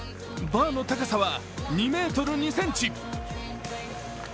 バーの高さは２ｍ２ｃｍ。